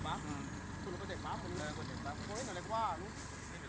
อันนี้เป็นอันนี้